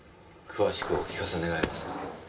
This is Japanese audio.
詳しくお聞かせ願えますか？